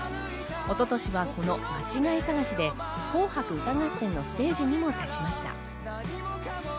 一昨年はこの『まちがいさがし』で『紅白歌合戦』のステージにも立ちました。